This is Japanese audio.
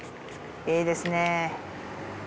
いいですね。